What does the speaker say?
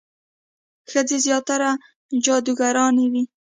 ښځې زیاتره جادوګرانې وي.